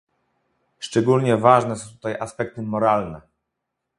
Szczególnie ważne są tutaj aspekty moralne